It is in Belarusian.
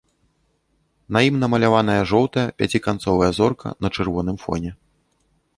На ім намаляваная жоўтая пяціканцовая зорка на чырвоным фоне.